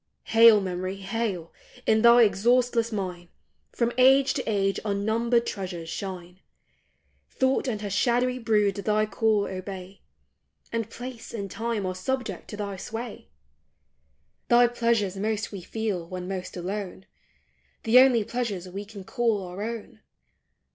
Hail, Memory, hail ! in thy exhaustless mine From age to age unnumbered treasures shine ! Thought and her shadowy brood thy call obey, And place and time are subject to thy sway ! Thy pleasures most we feel when most alone ; The only pleasures we can call our own.